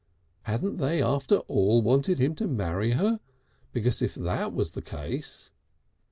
Hadn't they after all wanted him to marry her? Because if that was the case